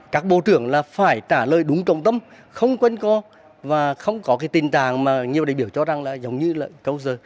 các bộ trưởng là phải trả lời đúng trọng tâm không quên co và không có cái tình trạng mà nhiều đại biểu cho rằng là giống như là câu giờ